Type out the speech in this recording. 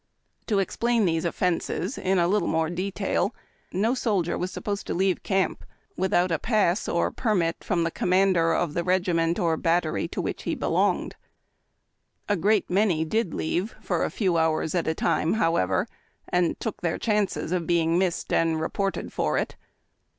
To explain these offences a little more in detail — no soldier was supposed to leave camp without a pass or })ermit from the commander of the regiment or battery to which he Ijelonged. A great many did leave for a few hours at a time, liowever, and took their chances of being missed and reported for it.